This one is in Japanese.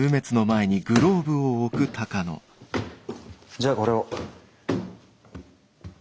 じゃあこれを。